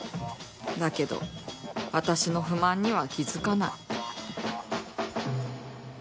だけど、私の不満には気付かない。